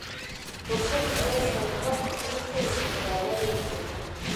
که کوم ځای مو خوښ نه شو نو بدل یې کړئ.